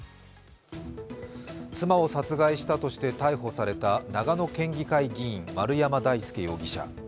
妻を殺害したとして逮捕された長野県議会議員・丸山大輔容疑者。